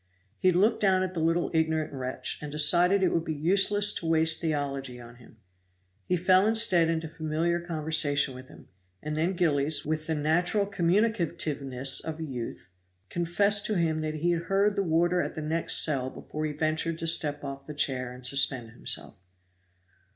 He looked down at the little ignorant wretch, and decided it would be useless to waste theology on him. He fell instead into familiar conversation with him, and then Gillies, with the natural communicativeness of youth, confessed to him "that he had heard the warder at the next cell before he ventured to step off the chair and suspend himself."